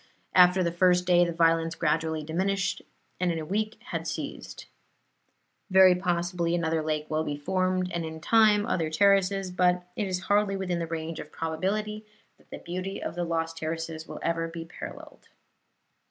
After the first day the violence gradually diminished, and in a week had ceased. Very possibly another lake will be formed, and in time other terraces; but it is hardly within the range of probability that the beauty of the lost terraces will ever be paralleled.